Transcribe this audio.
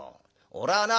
俺はな